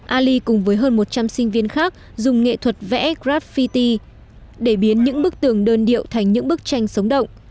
ali cùng với hơn một trăm linh sinh viên khác dùng nghệ thuật vẽ grab fity để biến những bức tường đơn điệu thành những bức tranh sống động